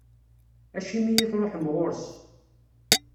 Acimi i truḥem ɣur-s.